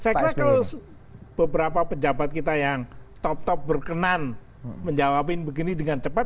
saya kira kalau beberapa pejabat kita yang top top berkenan menjawabin begini dengan cepat